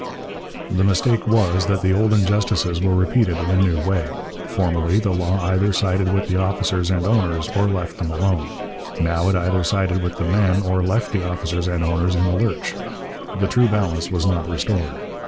The mistake was that the old injustices were repeated in a new way. Formerly the law either sided with the officers and owners or left them alone; now it either sided with the men or left the officers and owners in the lurch. The true balance was not restored.